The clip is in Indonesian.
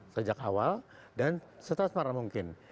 sejak awal dan setelah semangat mungkin